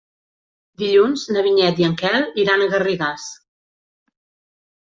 Dilluns na Vinyet i en Quel iran a Garrigàs.